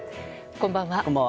こんばんは。